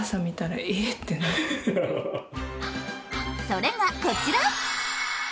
それがこちら。